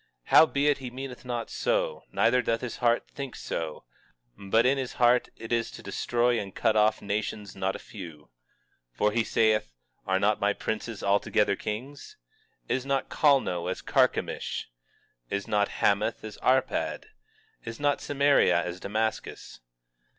20:7 Howbeit he meaneth not so, neither doth his heart think so; but in his heart it is to destroy and cut off nations not a few. 20:8 For he saith: Are not my princes altogether kings? 20:9 Is not Calno as Carchemish? Is not Hamath as Arpad? Is not Samaria as Damascus?